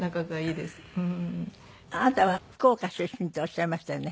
あなたは福岡出身っておっしゃいましたよね？